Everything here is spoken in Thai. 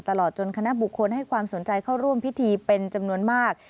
ตลอดจนคณะบุคคลให้ความสนใจเข้าร่วมพิธีเป็นจำนวนมาก